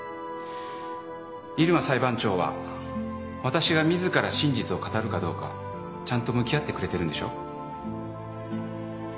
入間裁判長は私が自ら真実を語るかどうかちゃんと向き合ってくれてるんでしょ。